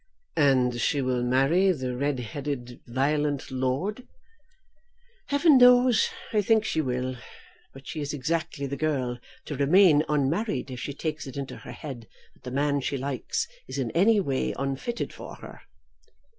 "And she will marry the red headed, violent lord?" "Heaven knows. I think she will. But she is exactly the girl to remain unmarried if she takes it into her head that the man she likes is in any way unfitted for her."